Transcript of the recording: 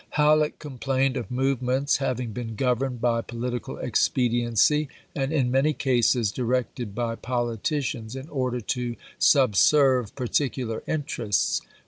Halleck complained of " movements hav ing been governed by political expediency, and in many cases directed by politicians in order to subserve particular interests."